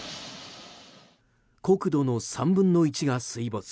国土の３分の１が水没。